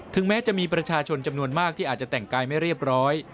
แม้จะมีประชาชนจำนวนมากที่อาจจะแต่งกายไม่เรียบร้อย